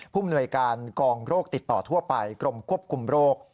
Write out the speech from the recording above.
มนวยการกองโรคติดต่อทั่วไปกรมควบคุมโรค